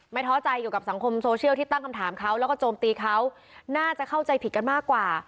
ท้อใจเกี่ยวกับสังคมโซเชียลที่ตั้งคำถามเขาแล้วก็โจมตีเขาน่าจะเข้าใจผิดกันมากกว่า